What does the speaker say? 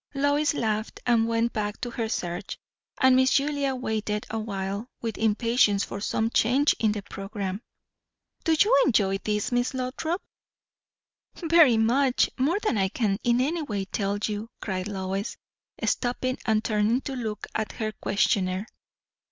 Lois laughed and went back to her search; and Miss Julia waited awhile with impatience for some change in the programme. "Do you enjoy this, Miss Lothrop?" "Very much! More than I can in any way tell you!" cried Lois, stopping and turning to look at her questioner.